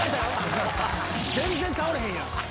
全然倒れへんやん